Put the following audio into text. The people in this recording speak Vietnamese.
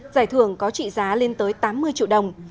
giải thưởng có trị giá lên tới tám mươi triệu đồng